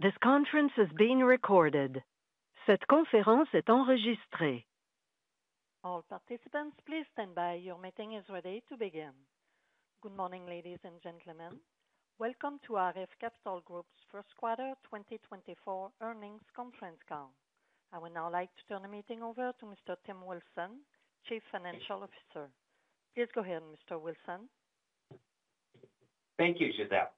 This conference is being recorded. Cette conférence est enregistrée. All participants, please stand by. Your meeting is ready to begin. Good morning, ladies and gentlemen. Welcome to RF Capital Group's Q1 2024 earnings conference call. I would now like to turn the meeting over to Mr. Tim Wilson, Chief Financial Officer. Please go ahead, Mr. Wilson. Thank you, Giselle.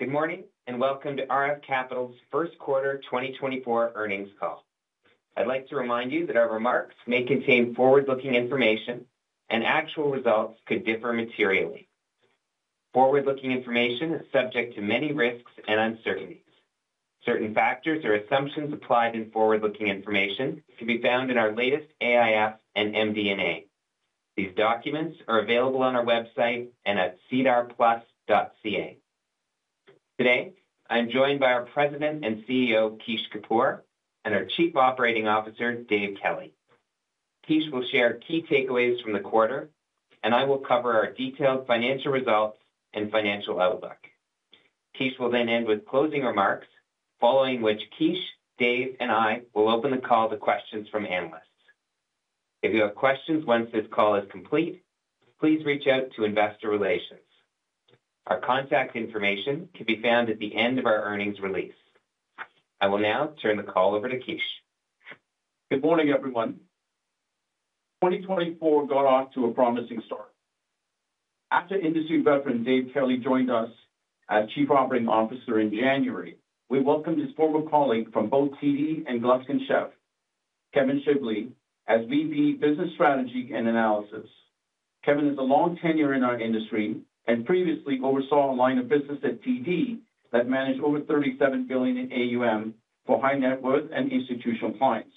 Good morning, and welcome to RF Capital's Q1 2024 earnings call. I'd like to remind you that our remarks may contain forward-looking information, and actual results could differ materially. Forward-looking information is subject to many risks and uncertainties. Certain factors or assumptions applied in forward-looking information can be found in our latest AIF and MD&A. These documents are available on our website and at sedarplus.ca. Today, I'm joined by our President and CEO, Kish Kapoor, and our Chief Operating Officer, Dave Kelly. Kish will share key takeaways from the quarter, and I will cover our detailed financial results and financial outlook. Kish will then end with closing remarks, following which Kish, Dave, and I will open the call to questions from analysts. If you have questions once this call is complete, please reach out to investor relations. Our contact information can be found at the end of our earnings release. I will now turn the call over to Kish. Good morning, everyone. 2024 got off to a promising start. After industry veteran Dave Kelly joined us as Chief Operating Officer in January, we welcomed his former colleague from both TD and Gluskin Sheff, Kevin Shubley, as VP, Business Strategy and Analysis. Kevin is a long tenure in our industry and previously oversaw a line of business at TD that managed over 37 billion in AUM for high net worth and institutional clients.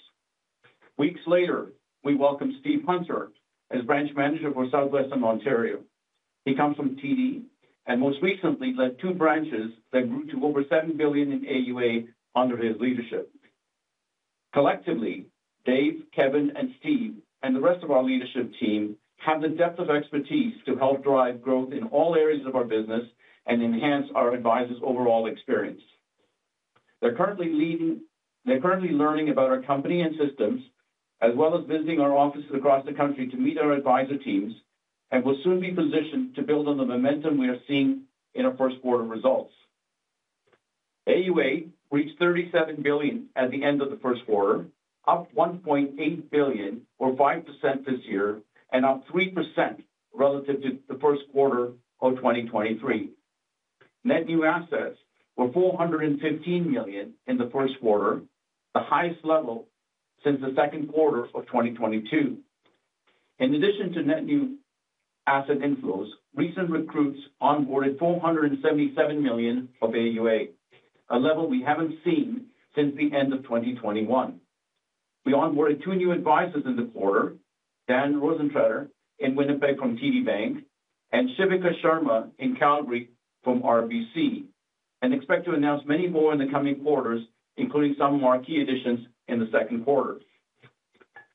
Weeks later, we welcomed Steve Hunter as branch manager for Southwestern Ontario. He comes from TD and most recently led two branches that grew to over 7 billion in AUA under his leadership. Collectively, Dave, Kevin, and Steve, and the rest of our leadership team have the depth of expertise to help drive growth in all areas of our business and enhance our advisors' overall experience. They're currently learning about our company and systems, as well as visiting our offices across the country to meet our advisor teams, and will soon be positioned to build on the momentum we are seeing in our Q1 results. AUA reached 37 billion at the end of the Q1, up 1.8 billion or 5% this year, and up 3% relative to the Q1 of 2023. Net new assets were 415 million in the Q1, the highest level since the Q2 of 2022. In addition to net new asset inflows, recent recruits onboarded 477 million of AUA, a level we haven't seen since the end of 2021. We onboarded two new advisors in the quarter, Dan Rosentreter in Winnipeg from TD Bank and Shivika Sharma in Calgary from RBC, and expect to announce many more in the coming quarters, including some marquee additions in the Q2.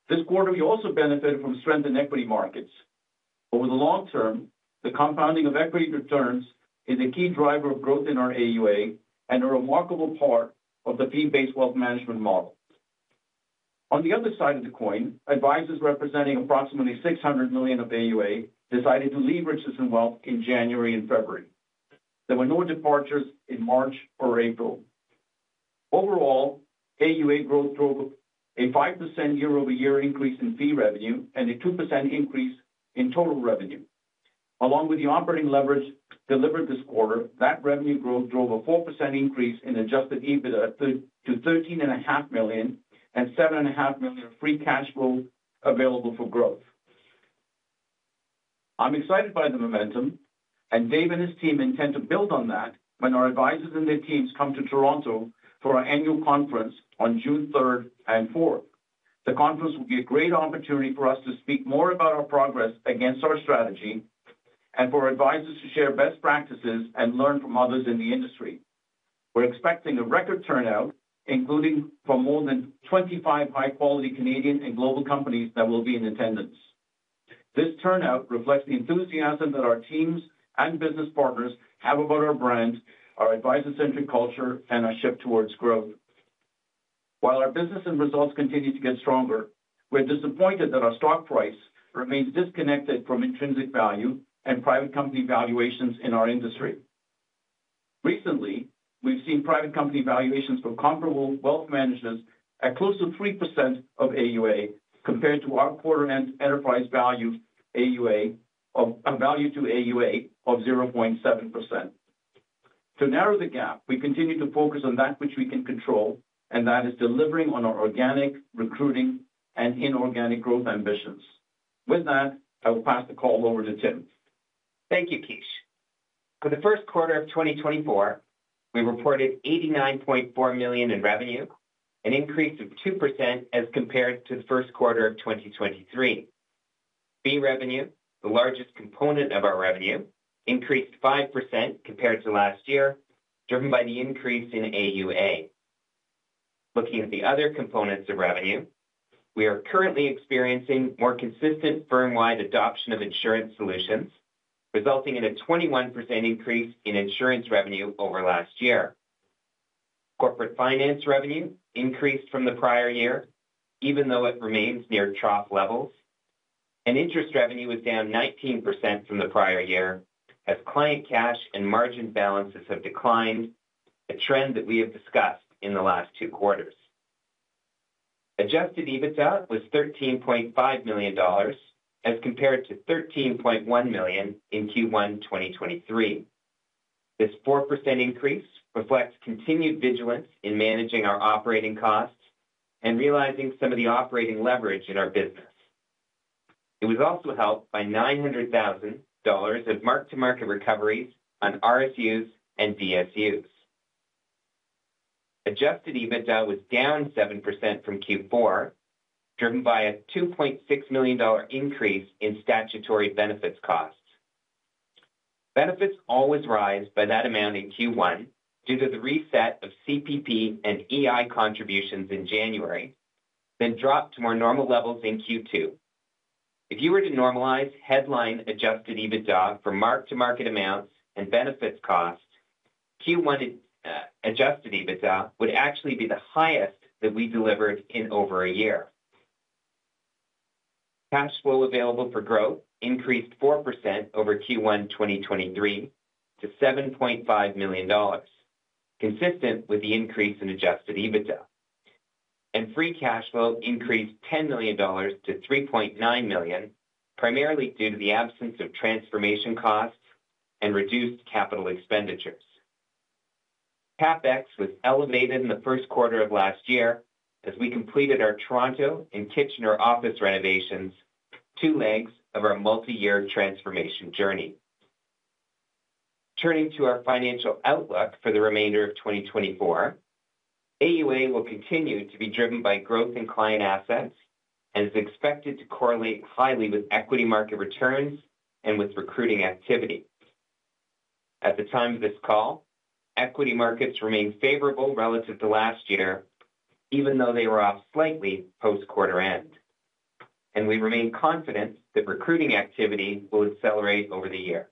This quarter, we also benefited from strength in equity markets. Over the long term, the compounding of equity returns is a key driver of growth in our AUA and a remarkable part of the fee-based wealth management model. On the other side of the coin, advisors representing approximately 600 million of AUA decided to leave Richardson Wealth in January and February. There were no departures in March or April. Overall, AUA growth drove a 5% year-over-year increase in fee revenue and a 2% increase in total revenue. Along with the operating leverage delivered this quarter, that revenue growth drove a 4% increase in Adjusted EBITDA to 13.5 million and 7.5 million of Free Cash Flow available for growth. I'm excited by the momentum, and Dave and his team intend to build on that when our advisors and their teams come to Toronto for our annual conference on June third and fourth. The conference will be a great opportunity for us to speak more about our progress against our strategy and for our advisors to share best practices and learn from others in the industry. We're expecting a record turnout, including from more than 25 high-quality Canadian and global companies that will be in attendance. This turnout reflects the enthusiasm that our teams and business partners have about our brand, our advisor-centric culture, and our shift towards growth. While our business and results continue to get stronger, we're disappointed that our stock price remains disconnected from intrinsic value and private company valuations in our industry. Recently, we've seen private company valuations from comparable wealth managers at close to 3% of AUA, compared to our quarter end enterprise value AUA of... A value to AUA of 0.7%. To narrow the gap, we continue to focus on that which we can control, and that is delivering on our organic, recruiting, and inorganic growth ambitions. With that, I will pass the call over to Tim. Thank you, Kish. For the Q1 of 2024, we reported 89.4 million in revenue, an increase of 2% as compared to the Q1 of 2023. Fee revenue, the largest component of our revenue, increased 5% compared to last year, driven by the increase in AUA.... Looking at the other components of revenue, we are currently experiencing more consistent firm-wide adoption of insurance solutions, resulting in a 21% increase in insurance revenue over last year. Corporate finance revenue increased from the prior year, even though it remains near trough levels, and interest revenue was down 19% from the prior year, as client cash and margin balances have declined, a trend that we have discussed in the last two quarters. Adjusted EBITDA was 13.5 million dollars, as compared to 13.1 million in Q1 2023. This 4% increase reflects continued vigilance in managing our operating costs and realizing some of the operating leverage in our business. It was also helped by 900,000 dollars of mark-to-market recoveries on RSUs and DSUs. Adjusted EBITDA was down 7% from Q4, driven by a 2.6 million dollar increase in statutory benefits costs. Benefits always rise by that amount in Q1 due to the reset of CPP and EI contributions in January, then drop to more normal levels in Q2. If you were to normalize headline adjusted EBITDA for mark-to-market amounts and benefits costs, Q1 adjusted EBITDA would actually be the highest that we delivered in over a year. Cash flow available for growth increased 4% over Q1 2023 to 7.5 million dollars, consistent with the increase in adjusted EBITDA. Free cash flow increased 10 million dollars to 3.9 million, primarily due to the absence of transformation costs and reduced capital expenditures. CapEx was elevated in the Q1 of last year as we completed our Toronto and Kitchener office renovations, two legs of our multi-year transformation journey. Turning to our financial outlook for the remainder of 2024, AUA will continue to be driven by growth in client assets and is expected to correlate highly with equity market returns and with recruiting activity. At the time of this call, equity markets remain favorable relative to last year, even though they were off slightly post-quarter end. We remain confident that recruiting activity will accelerate over the year.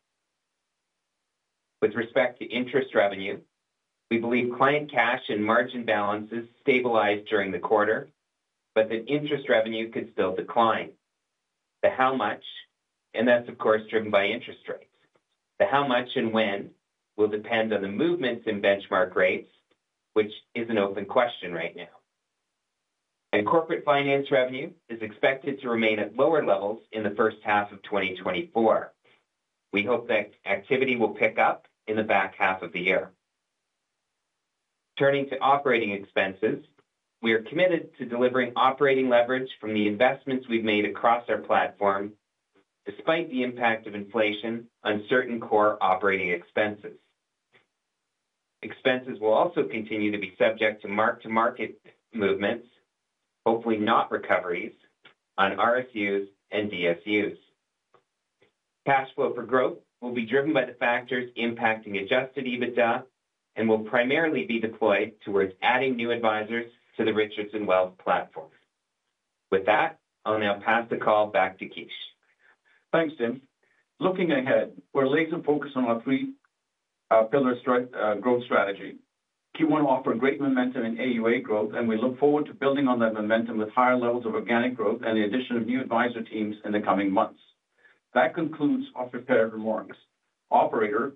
With respect to interest revenue, we believe client cash and margin balances stabilized during the quarter, but that interest revenue could still decline. The how much, and that's, of course, driven by interest rates. The how much and when will depend on the movements in benchmark rates, which is an open question right now. Corporate finance revenue is expected to remain at lower levels in the first half of 2024. We hope that activity will pick up in the back half of the year. Turning to operating expenses, we are committed to delivering operating leverage from the investments we've made across our platform, despite the impact of inflation on certain core operating expenses. Expenses will also continue to be subject to mark-to-market movements, hopefully not recoveries, on RSUs and DSUs. Cash flow for growth will be driven by the factors impacting Adjusted EBITDA and will primarily be deployed towards adding new advisors to the Richardson Wealth platform. With that, I'll now pass the call back to Kish. Thanks, Tim. Looking ahead, we're laser focused on our three-pillar growth strategy. Q1 offered great momentum in AUA growth, and we look forward to building on that momentum with higher levels of organic growth and the addition of new advisor teams in the coming months. That concludes our prepared remarks. Operator,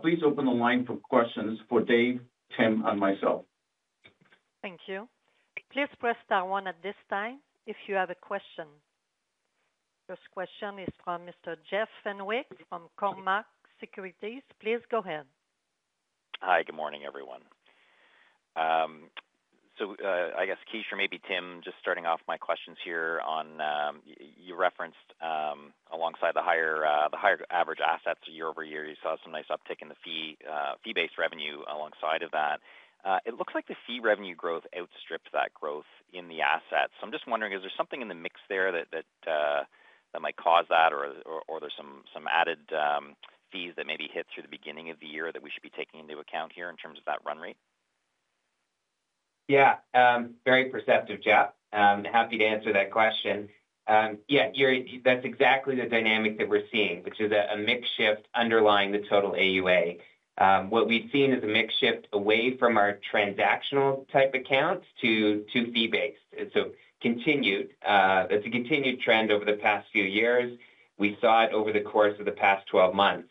please open the line for questions for Dave, Tim, and myself. Thank you. Please press star one at this time if you have a question. First question is from Mr. Jeff Fenwick from Cormark Securities. Please go ahead. Hi, good morning, everyone. So, I guess, Kish, or maybe Tim, just starting off my questions here on, you referenced, alongside the higher average assets year-over-year. You saw some nice uptick in the fee-based revenue alongside of that. It looks like the fee revenue growth outstripped that growth in the assets. So I'm just wondering, is there something in the mix there that might cause that, or there's some added fees that maybe hit through the beginning of the year that we should be taking into account here in terms of that run rate? Yeah, very perceptive, Jeff. Happy to answer that question. Yeah, you're... That's exactly the dynamic that we're seeing, which is a mix shift underlying the total AUA. What we've seen is a mix shift away from our transactional type accounts to fee-based. So continued, it's a continued trend over the past few years. We saw it over the course of the past 12 months.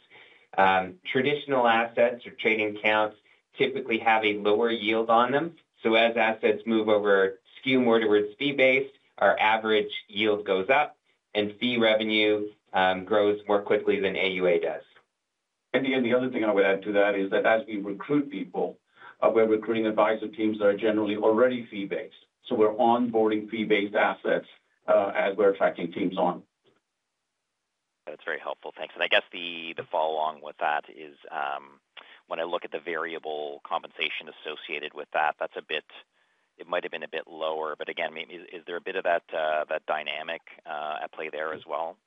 Traditional assets or trading accounts typically have a lower yield on them. So as assets move over, skew more towards fee-based, our average yield goes up, and fee revenue grows more quickly than AUA does. And again, the other thing I would add to that is that as we recruit people, we're recruiting advisor teams that are generally already fee-based. So we're onboarding fee-based assets, as we're attracting teams on. That's very helpful. Thanks. And I guess the follow along with that is, when I look at the variable compensation associated with that, that's a bit... It might have been a bit lower. But again, maybe, is there a bit of that dynamic at play there as well?...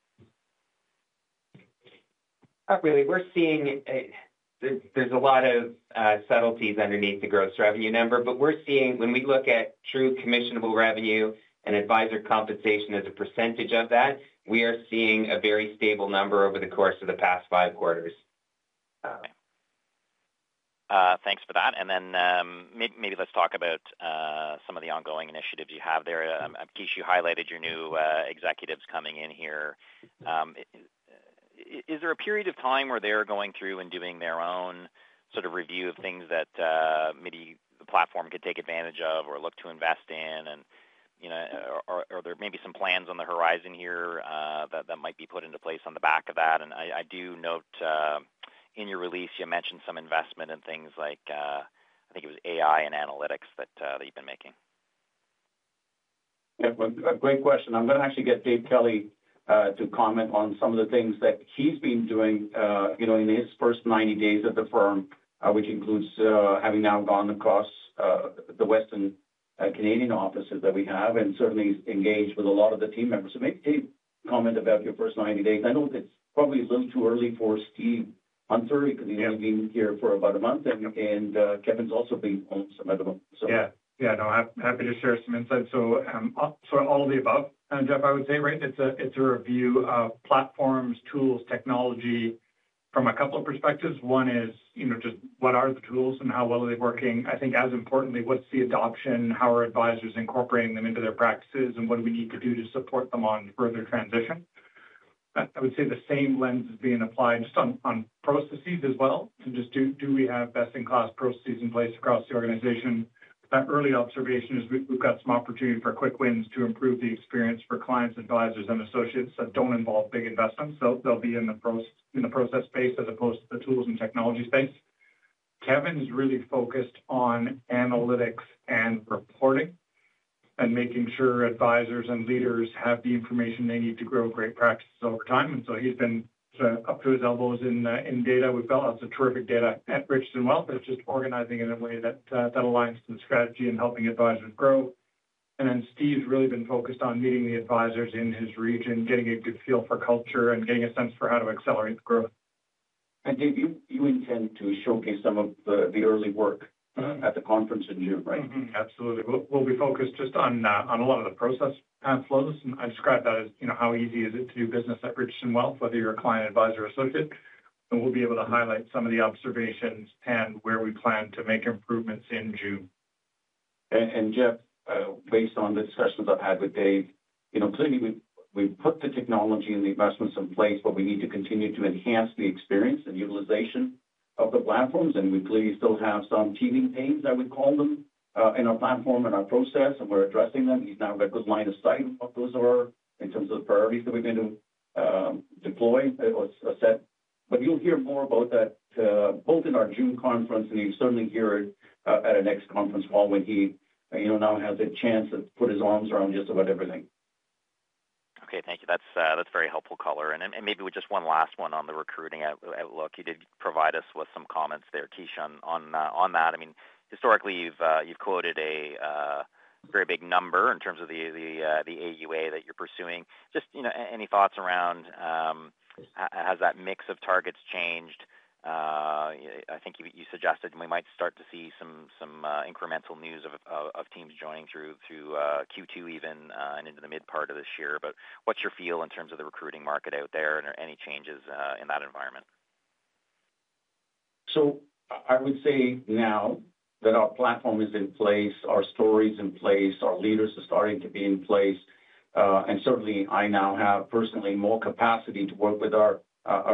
Really, we're seeing, there's a lot of subtleties underneath the gross revenue number. But we're seeing when we look at true commissionable revenue and advisor compensation as a percentage of that, we are seeing a very stable number over the course of the past five quarters. Thanks for that. And then, maybe let's talk about some of the ongoing initiatives you have there. I guess you highlighted your new executives coming in here. Is there a period of time where they're going through and doing their own sort of review of things that maybe the platform could take advantage of or look to invest in? And, you know, or there may be some plans on the horizon here, that might be put into place on the back of that. And I do note, in your release, you mentioned some investment in things like, I think it was AI and analytics that you've been making. Yeah, well, great question. I'm going to actually get Dave Kelly to comment on some of the things that he's been doing, you know, in his first 90 days at the firm. Which includes having now gone across the Western Canadian offices that we have and certainly engaged with a lot of the team members. So maybe, Dave, comment about your first 90 days. I know it's probably a little too early for Steve Hunter- because he's only been here for about a month, and Kevin's also been on some other months, so. Yeah. Yeah, no, I'm happy to share some insight. So, so all of the above, and Jeff, I would say, right? It's a, it's a review of platforms, tools, technology from a couple of perspectives. One is, you know, just what are the tools and how well are they working? I think as importantly, what's the adoption? How are advisors incorporating them into their practices, and what do we need to do to support them on further transition? I, I would say the same lens is being applied on, on processes as well. So just do, do we have best-in-class processes in place across the organization? That early observation is we've, we've got some opportunity for quick wins to improve the experience for clients, advisors, and associates that don't involve big investments. So they'll be in the process space as opposed to the tools and technology space. Kevin's really focused on analytics and reporting and making sure advisors and leaders have the information they need to grow great practices over time. And so he's been sort of up to his elbows in data. We've got lots of terrific data at Richardson Wealth. It's just organizing in a way that aligns to the strategy and helping advisors grow. And then Steve's really been focused on meeting the advisors in his region, getting a good feel for culture, and getting a sense for how to accelerate the growth. Dave, you intend to showcase some of the early work at the conference in June, right? Mm-hmm. Absolutely. We'll be focused just on a lot of the process workflows. And I describe that as, you know, how easy is it to do business at Richardson Wealth, whether you're a client, advisor, or associate. And we'll be able to highlight some of the observations and where we plan to make improvements in June. Jeff, based on discussions I've had with Dave, you know, clearly, we've put the technology and the investments in place, but we need to continue to enhance the experience and utilization of the platforms. We clearly still have some teething pains, I would call them, in our platform and our process, and we're addressing them. He's now got good line of sight of what those are in terms of the priorities that we're going to deploy or set. But you'll hear more about that, both in our June conference, and you'll certainly hear it at our next conference call when he, you know, now has a chance to put his arms around just about everything. Okay, thank you. That's very helpful color. And maybe just one last one on the recruiting outlook. You did provide us with some comments there, Kish, on that. I mean, historically, you've quoted a very big number in terms of the AUA that you're pursuing. Just, you know, any thoughts around has that mix of targets changed? I think you suggested we might start to see some incremental news of teams joining through Q2 even, and into the mid part of this year. But what's your feel in terms of the recruiting market out there and are there any changes in that environment? So I would say now that our platform is in place, our story is in place, our leaders are starting to be in place, and certainly, I now have personally more capacity to work with our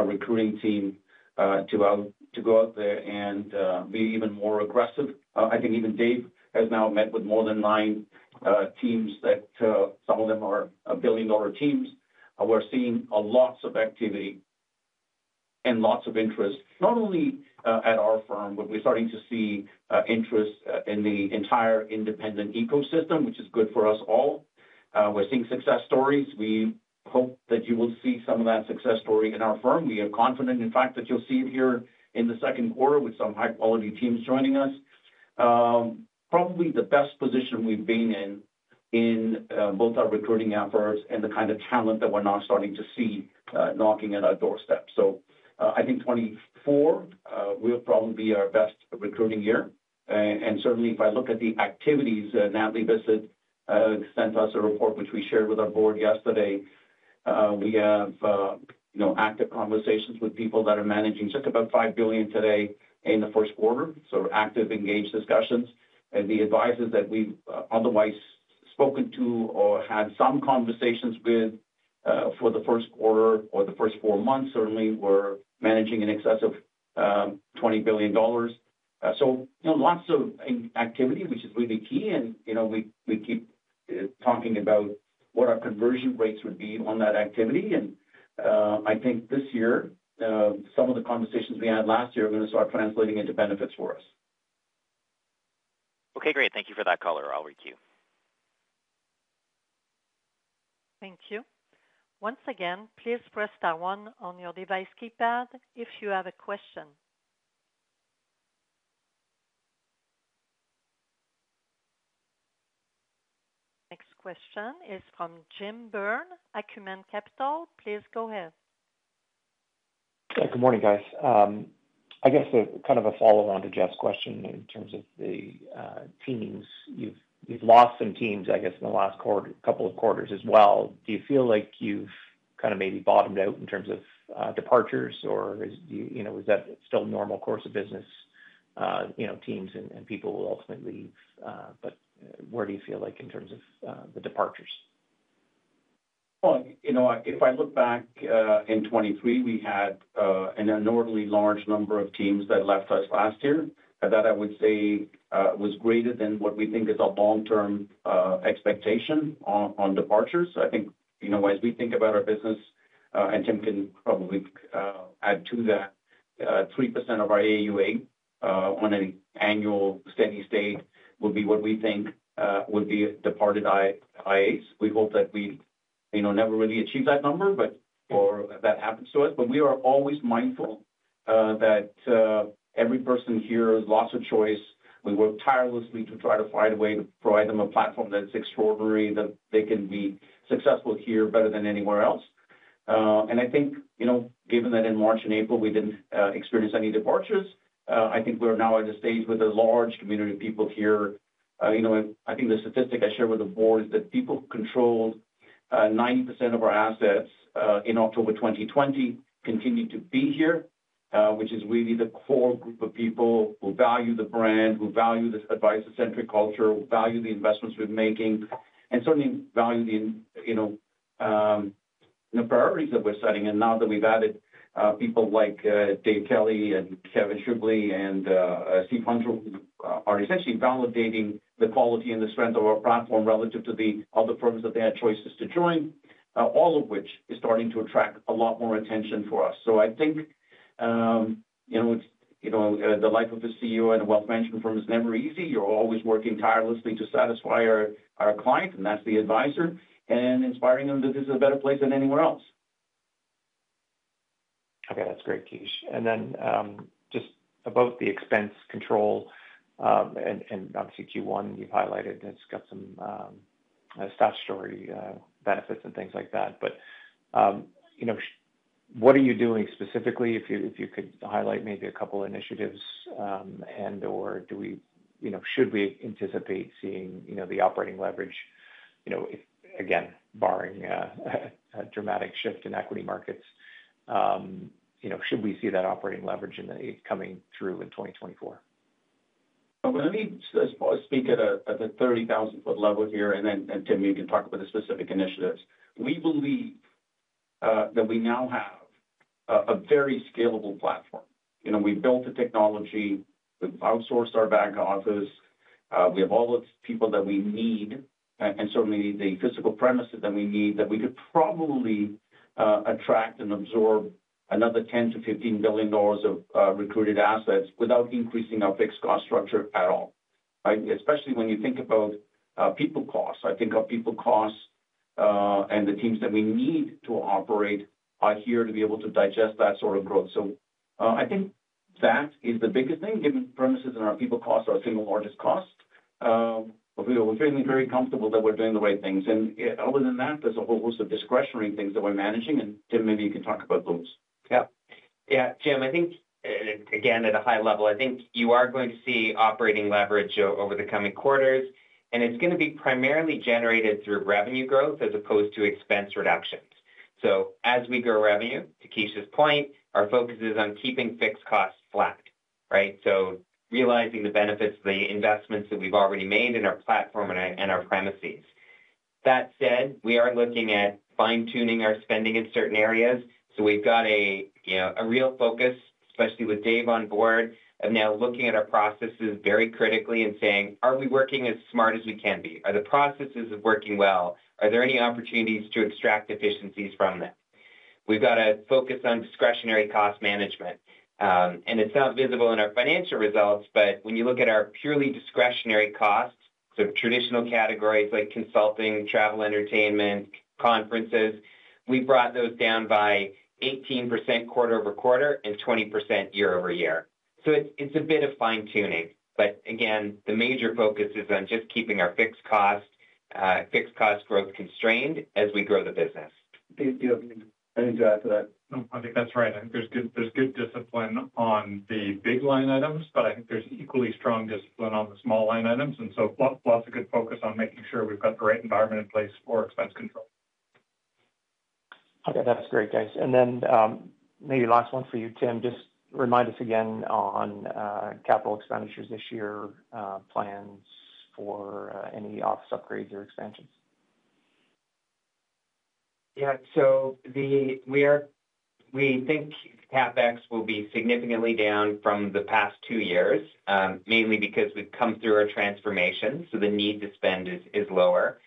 recruiting team, to go out there and be even more aggressive. I think even Dave has now met with more than nine teams that some of them are billion-dollar teams. We're seeing a lot of activity and lots of interest, not only at our firm, but we're starting to see interest in the entire independent ecosystem, which is good for us all. We're seeing success stories. We hope that you will see some of that success story in our firm. We are confident, in fact, that you'll see it here in the Q2 with some high-quality teams joining us. Probably the best position we've been in both our recruiting efforts and the kind of talent that we're now starting to see knocking at our doorstep. I think 2024 will probably be our best recruiting year. Certainly, if I look at the activities, Natalie Bisset sent us a report, which we shared with our board yesterday. We have, you know, active conversations with people that are managing just about 5 billion today in the Q1, so active, engaged discussions. And the advisors that we've otherwise spoken to or had some conversations with for the Q1 or the first four months, certainly were managing in excess of 20 billion dollars. So you know, lots of activity, which is really key. And, you know, we keep talking about what our conversion rates would be on that activity. And, I think this year, some of the conversations we had last year are going to start translating into benefits for us. Okay, great. Thank you for that color. I'll requeue. Thank you. Once again, please press star one on your device keypad if you have a question. Next question is from Jim Byrne, Acumen Capital. Please go ahead. Good morning, guys. I guess a kind of a follow-on to Jeff's question in terms of the teams. You've, you've lost some teams, I guess, in the last quarter, couple of quarters as well. Do you feel like you've kind of maybe bottomed out in terms of departures, or is, you know, is that still normal course of business? You know, teams and, and people will ultimately leave, but where do you feel like in terms of the departures? Well, you know, if I look back in 2023, we had an abnormally large number of teams that left us last year. That, I would say, was greater than what we think is our long-term expectation on departures. I think, you know, as we think about our business, and Tim can probably add to that, 3% of our AUA on an annual steady state would be what we think would be a departed IAs. We hope that we, you know, never really achieve that number, but or that happens to us. But we are always mindful that every person here has lots of choice. We work tirelessly to try to find a way to provide them a platform that's extraordinary, that they can be successful here better than anywhere else. And I think, you know, given that in March and April we didn't experience any departures, I think we're now at a stage with a large community of people here. You know, and I think the statistic I shared with the board is that people who controlled 90% of our assets in October 2020 continue to be here, which is really the core group of people who value the brand, who value this advisor-centric culture, who value the investments we're making, and certainly value the, you know, the priorities that we're setting. And now that we've added people like Dave Kelly and Kevin Shubley and Steve Hunter, who are essentially validating the quality and the strength of our platform relative to the other firms that they had choices to join, all of which is starting to attract a lot more attention for us. So I think, you know, it's, you know, the life of a CEO at a wealth management firm is never easy. You're always working tirelessly to satisfy our, our clients, and that's the advisor, and inspiring them that this is a better place than anywhere else. Okay, that's great, Kish. And then, just about the expense control, and obviously Q1 you've highlighted, it's got some statutory benefits and things like that. But, you know, what are you doing specifically, if you could highlight maybe a couple initiatives, and/or do we, you know, should we anticipate seeing, you know, the operating leverage, you know, if, again, barring a dramatic shift in equity markets, you know, should we see that operating leverage coming through in 2024? Well, let me speak at a 30,000-foot level here, and then Tim, you can talk about the specific initiatives. We believe that we now have a very scalable platform. You know, we've built the technology, we've outsourced our back office, we have all the people that we need, and certainly the physical premises that we need, that we could probably attract and absorb another 10 billion-15 billion dollars of recruited assets without increasing our fixed cost structure at all, right? Especially when you think about people costs. I think our people costs and the teams that we need to operate are here to be able to digest that sort of growth. So, I think that is the biggest thing, given premises and our people costs are our single largest cost. But we're feeling very comfortable that we're doing the right things. And other than that, there's a whole host of discretionary things that we're managing, and, Tim, maybe you can talk about those. Yeah. Yeah, Jim, I think, again, at a high level, I think you are going to see operating leverage over the coming quarters, and it's going to be primarily generated through revenue growth as opposed to expense reductions. So as we grow revenue, to Kish's point, our focus is on keeping fixed costs flat, right? So realizing the benefits of the investments that we've already made in our platform and our premises. That said, we are looking at fine-tuning our spending in certain areas. So we've got you know, a real focus, especially with Dave on board, of now looking at our processes very critically and saying: Are we working as smart as we can be? Are the processes working well? Are there any opportunities to extract efficiencies from them? We've got to focus on discretionary cost management. It's not visible in our financial results, but when you look at our purely discretionary costs, so traditional categories like consulting, travel, entertainment, conferences, we brought those down by 18% quarter-over-quarter and 20% year-over-year. It's a bit of fine-tuning, but again, the major focus is on just keeping our fixed cost growth constrained as we grow the business. Dave, do you have anything to add to that? No, I think that's right. I think there's good, there's good discipline on the big line items, but I think there's equally strong discipline on the small line items, and so plus a good focus on making sure we've got the right environment in place for expense control. Okay, that's great, guys. And then, maybe last one for you, Tim. Just remind us again on capital expenditures this year, plans for any office upgrades or expansions. Yeah. We think CapEx will be significantly down from the past 2 years, mainly because we've come through a transformation, so the need to spend is lower.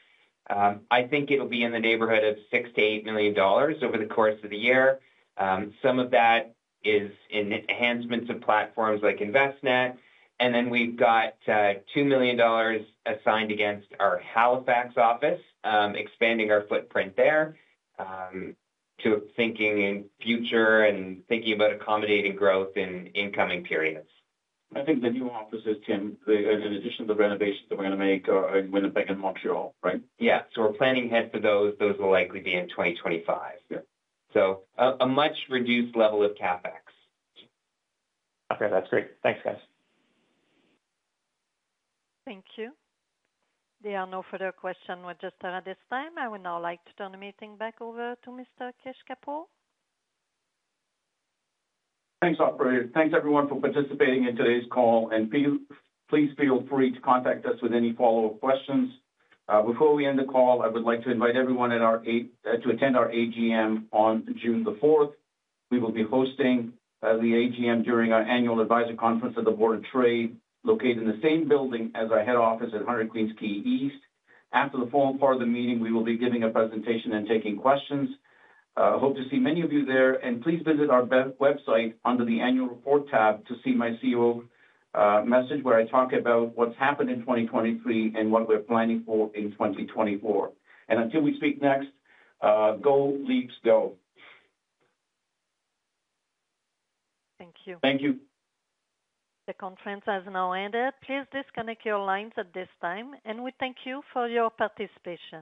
I think it'll be in the neighborhood of 6-8 million dollars over the course of the year. Some of that is in enhancements of platforms like Envestnet, and then we've got 2 million dollars assigned against our Halifax office, expanding our footprint there, to thinking in future and thinking about accommodating growth in incoming periods. I think the new offices, Tim, as an addition to the renovations that we're going to make are in Winnipeg and Montreal, right? Yeah. So we're planning ahead for those. Those will likely be in 2025. So, a much reduced level of CapEx. Okay, that's great. Thanks, guys. Thank you. There are no further questions at this time. I would now like to turn the meeting back over to Mr. Kish Kapoor. Thanks, operator. Thanks, everyone, for participating in today's call, and please feel free to contact us with any follow-up questions. Before we end the call, I would like to invite everyone at our to attend our AGM on June the fourth. We will be hosting the AGM during our annual advisor conference at the Board of Trade, located in the same building as our head office at 100 Queens Quay East. After the forum part of the meeting, we will be giving a presentation and taking questions. Hope to see many of you there, and please visit our website under the Annual Report tab to see my CEO message, where I talk about what's happened in 2023 and what we're planning for in 2024. And until we speak next, go, Leafs, go! Thank you. Thank you. The conference has now ended. Please disconnect your lines at this time, and we thank you for your participation.